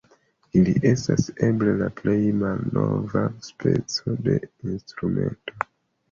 Ili estas eble la plej malnova speco de instrumento.